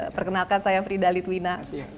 perkenalkan saya frida litwina